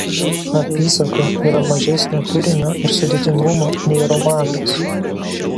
Apysaka yra mažesnio turinio ir sudėtingumo nei romanas.